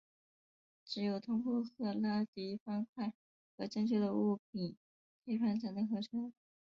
只有通过赫拉迪方块和正确的物品配方才能合成。